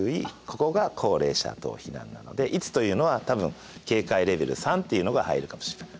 ここが「高齢者等避難」なので「いつ」というのは多分「警戒レベル３」っていうのが入るかもしれない。